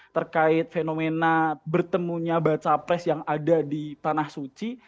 terkait fenomena bertemunya baca pres yang ada di tanah suci